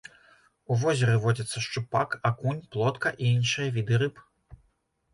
У возеры водзяцца шчупак, акунь, плотка і іншыя віды рыб.